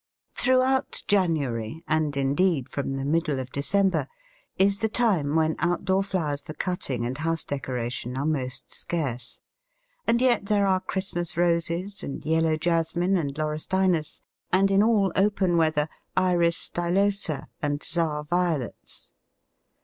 Throughout January, and indeed from the middle of December, is the time when outdoor flowers for cutting and house decoration are most scarce; and yet there are Christmas Roses and yellow Jasmine and Laurustinus, and in all open weather Iris stylosa and Czar Violets.